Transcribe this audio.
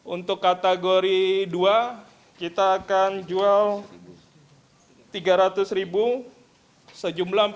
untuk kategori dua kita akan jual tiga ratus ribu sejumlah empat lima ratus